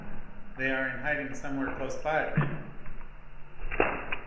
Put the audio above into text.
"They are in hiding somewhere close by, then?"